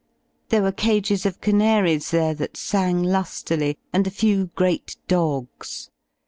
There were cages of canaries there that sang lu^ily, and a few great dogs.